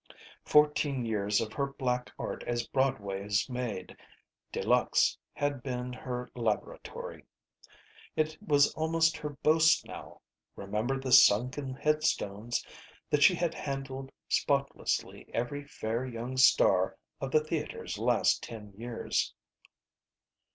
Fourteen years of her black art as Broadway's maid de luxe had been her laboratory. It was almost her boast now remember the sunken headstones that she had handled spotlessly every fair young star of the theaters' last ten years.